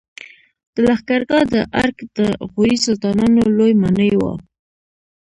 د لښکرګاه د ارک د غوري سلطانانو لوی ماڼۍ وه